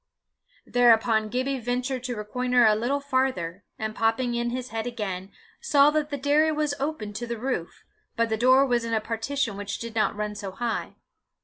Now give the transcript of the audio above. Thereupon Gibbie ventured to reconnoitre a little farther, and popping in his head again, saw that the dairy was open to the roof, but the door was in a partition which did not run so high.